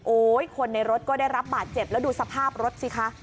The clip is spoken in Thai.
คนในรถก็ได้รับบาดเจ็บแล้วดูสภาพรถสิคะ